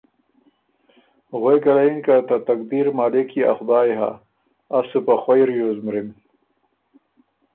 غوېکه له یِن که ”ته تقدیر مالک يې ا خدای هۀ، از سُو په خوئ ریوز مرِم۔